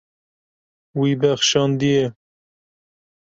Wî bexşandiye.